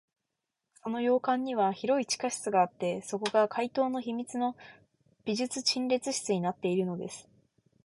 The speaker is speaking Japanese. その洋館には広い地下室があって、そこが怪盗の秘密の美術陳列室になっているのです。